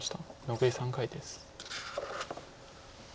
残り３回です。